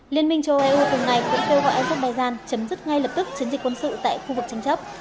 liên minh châu eu cùng ngày cũng kêu gọi azerbaijan chấm dứt ngay lập tức chiến dịch quân sự tại khu vực tranh chấp